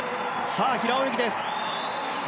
さあ、平泳ぎです。